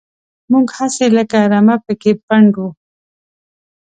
موږ هسې لکه رمه پکې پنډ وو.